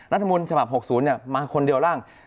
รัฐมนุนฉบับหกศูนย์เนี่ยมาคนเดียวร่าง